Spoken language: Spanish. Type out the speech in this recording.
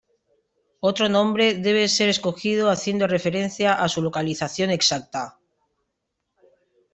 Otro nombre debe ser escogido haciendo referencia a su localización exacta.